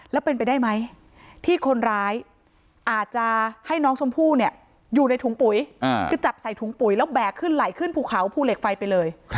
แล้วเป็นไปได้ไหมที่คนร้ายอาจจะให้น้องชมพู่เนี่ยอยู่ในถุงปุ๋ยคือจับใส่ถุงปุ๋ยแล้วแบกขึ้นไหลขึ้นภูเขาภูเหล็กไฟไปเลย